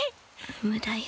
無駄よ。